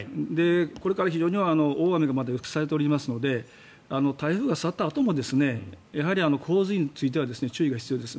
これから非常に大雨がまだ予測されておりますので台風が去ったあともやはり洪水については注意が必要です。